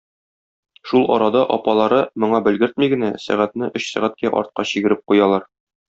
Шул арада апалары моңа белгертми генә сәгатьне өч сәгатькә артка чигереп куялар.